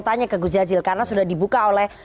tanya ke gus jazil karena sudah dibuka oleh